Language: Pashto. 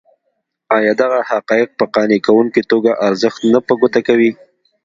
ایا دغه حقایق په قانع کوونکې توګه ارزښت نه په ګوته کوي.